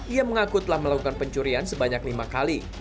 ia mengaku telah melakukan pencurian sebanyak lima kali